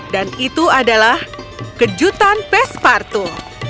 dan itu adalah kejutan pespartu